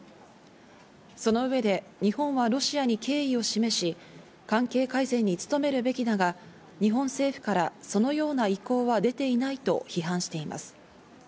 その上で日本はロシアに敬意を示し、関係改善に努めるべきだが、日本政府からそのような意向は出ていないと批判しています。